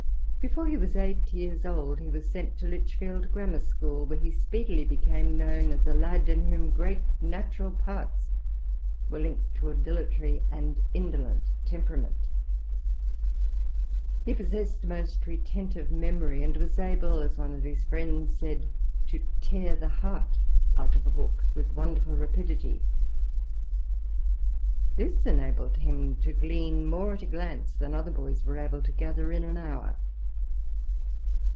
Before he was eight years old he was sent to Lichfield Grammar School, where he speedily became known as a lad in whom great natural parts were linked to a dilatory and indolent temperament He possessed a most retentive memory, and was able, as one of his friends said, to "tear the heart out of a book" with wonderful rapidity; this enabled him to glean more at a glance than other boys were able to gather in an hour.